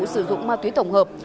sử dụng ma túy tổng hợp